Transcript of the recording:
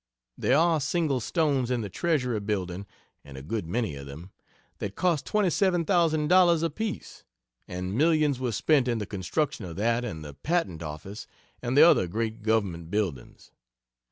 There are single stones in the Treasury building (and a good many of them) that cost twenty seven thousand dollars apiece and millions were spent in the construction of that and the Patent Office and the other great government buildings.